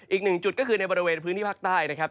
อีกหนึ่งจุดก็คือในบริเวณพื้นที่ภาคใต้นะครับ